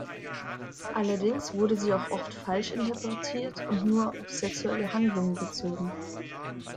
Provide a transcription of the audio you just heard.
Allerdings wurde sie auch oft falsch interpretiert und nur auf sexuelle Handlungen bezogen.